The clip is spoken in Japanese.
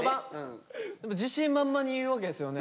自信満々に言うわけですよね。